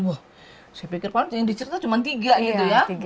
wah saya pikir paling dicerita cuma tiga gitu ya